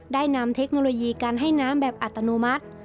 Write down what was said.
นำเทคโนโลยีการให้น้ำแบบอัตโนมัติ